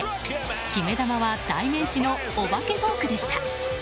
決め球は代名詞のお化けフォークでした。